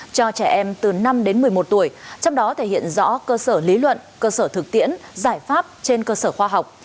cho trẻ em từ năm đến một mươi một tuổi trong đó thể hiện rõ cơ sở lý luận cơ sở thực tiễn giải pháp trên cơ sở khoa học